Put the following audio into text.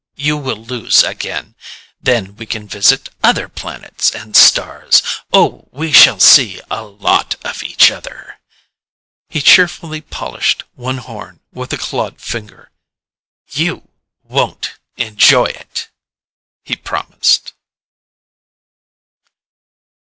You will lose again. Then we can visit other planets, and stars ... oh, we shall see a lot of each other!" He cheerfully polished one horn with a clawed finger. "You won't enjoy it!" he promised.